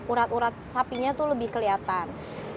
urat urat sapinya itu lebih kelihatan